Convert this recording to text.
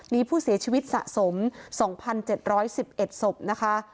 มีผู้เสียชีวิตสะสม๒๗๑๑ศพนะคะ